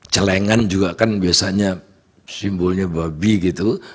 celengan juga kan biasanya simbolnya babi gitu